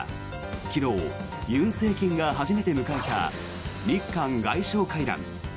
昨日、尹政権が初めて迎えた日韓外相会談。